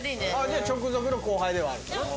じゃあ直属の後輩ではあるな。